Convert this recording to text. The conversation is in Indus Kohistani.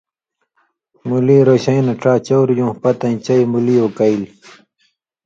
مولی رشَیں نہ ڇا چٶر یُون٘ہہۡ پتَیں چئ مُلی اُکئیلیۡ